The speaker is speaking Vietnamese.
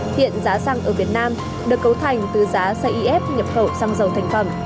hiện giá xăng ở việt nam được cấu thành từ giá xây ef nhập khẩu xăng dầu thành phẩm